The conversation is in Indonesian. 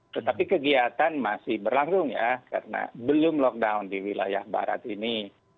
tetapi kegiatan masih berlangsung ya karena belum lockdown di wilayah barat ini